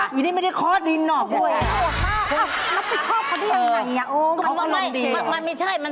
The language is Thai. มันไม่ใช่เขามันเทียบไปเทียบหมาแบบ